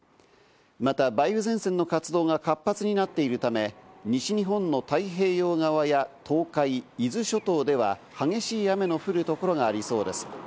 また、梅雨前線の活動が活発になっているため、西日本の太平洋側や東海、伊豆諸島では激しい雨の降る所がありそうです。